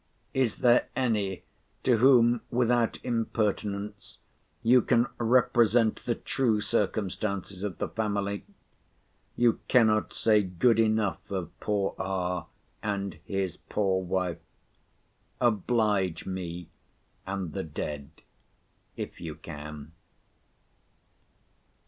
Is there any, to whom without impertinence, you can represent the true circumstances of the family? You cannot say good enough of poor R., and his poor wife. Oblige me and the dead, if you can.